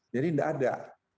jadi nggak ada